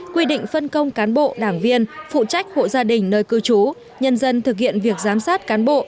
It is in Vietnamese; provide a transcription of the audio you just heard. quy định phân công cán bộ đảng viên phụ trách hộ gia đình nơi cư trú nhân dân thực hiện việc giám sát cán bộ